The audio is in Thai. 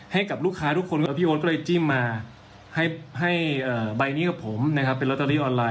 ให้กับลูกค้าทุกคนครับพี่โอ๊ตก็เลยจิ้มมาให้ใบนี้กับผมนะครับเป็นลอตเตอรี่ออนไลน